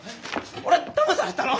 俺はだまされたの？